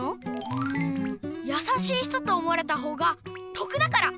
うんやさしい人と思われたほうが得だから！